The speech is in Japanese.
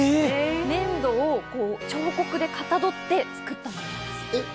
粘土を彫刻でかたどって作ったものなんです。